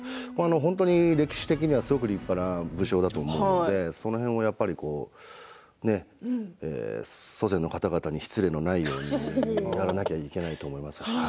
本当に歴史的にはすごく立派な武将だと思うのでその辺も、やっぱり祖先の方々に失礼のないようにやらなきゃいけないと思います。